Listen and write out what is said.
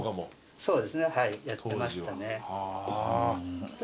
そうですねやってましたね。